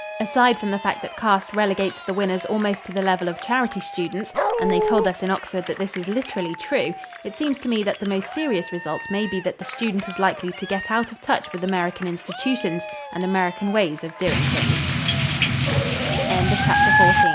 Aside from the fact that caste relegates the winners almost to the level of charity students and they told us in Oxford that this is literally true it seems to me that the most serious result may be that the student is likely to get out of touch with American institutions and American ways of doing